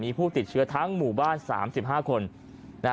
มีผู้ติดเชื้อทั้งหมู่บ้าน๓๕คน